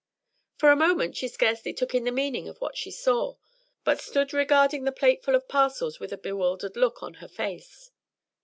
For a moment she scarcely took in the meaning of what she saw, but stood regarding the plate ful of parcels with a bewildered look on her face.